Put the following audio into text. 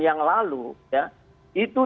yang lalu ya itu